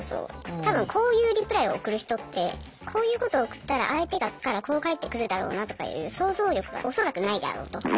多分こういうリプライを送る人ってこういうことを送ったら相手からこう返ってくるだろうなとかいう想像力が恐らくないであろうと。